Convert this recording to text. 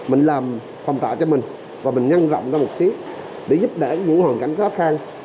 mình làm phòng trọ cho mình và mình nhân rộng ra một xí để giúp đỡ những hoàn cảnh khó khăn